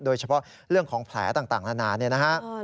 โดยเฉพาะเรื่องของแผลต่างนานาเนี่ยนะฮะ